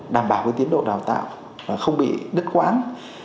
đảm bảo tiến độ đào tạo không bị đứt quãng